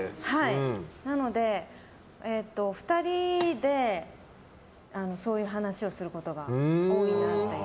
なので、２人でそういう話をすることが多いなという。